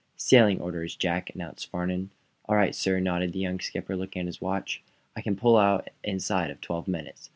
"Sailing orders, Jack," announced Farnum. "All right, sir," nodded the young skipper, looking at his watch. "I can pull out inside of twelve minutes."